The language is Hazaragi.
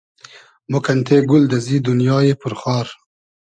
مۉ کئنتې گول دئزی دونیایی پور خار